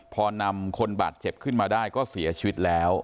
พอนำคนบาดเจ็บขึ้นมาได้ก็เสียชีวิตแล้ว